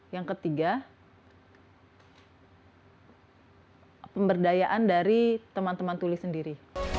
yang ketiga pemberdayaan dari teman teman tulis sendiri